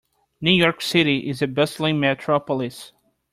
New York City is a bustling metropolis.